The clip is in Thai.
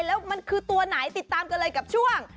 แล้วมันคือตัวไหนติดตามกันเลยกับช่วง